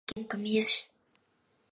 宮城県富谷市